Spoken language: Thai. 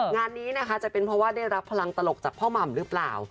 งานนี้นะคะจะเป็นเพราะว่าได้รับพลังตลกจากพ่อหม่ำหรือเปล่า